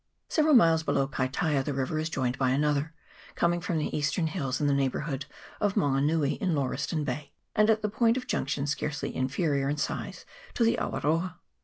Several miles below Kaitaia the river is joined by another, coming from the eastern hills in the neighbourhood of Mango nui in Lauriston Bay, and at the point of junction scarcely inferior in size to the Awaroa.